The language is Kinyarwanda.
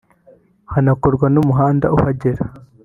hanakorwe n’umuhanda uhagera